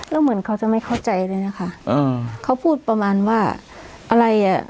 แล้วเหมือนเขาจะไม่เข้าใจเลยนะคะอ่าเขาพูดประมาณว่าอะไรอ่ะ